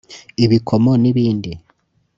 ibikomo n’ibindi